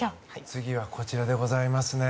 次はこちらでございます。